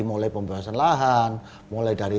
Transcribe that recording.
mulai pembahasan lahan mulai dari